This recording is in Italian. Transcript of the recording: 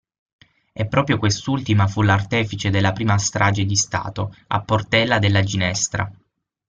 E proprio quest'ultima fu l'artefice della prima strage di Stato, a Portella della Ginestra.